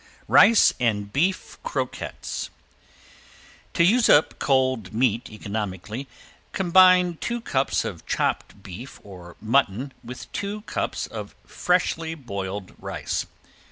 ~RICE AND BEEF CROQUETTES~ To use up cold meat economically combine two cups of chopped beef or mutton with two cups of freshly boiled rice.